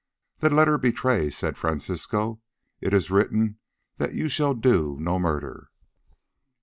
"Then let her betray," said Francisco; "it is written that you shall do no murder."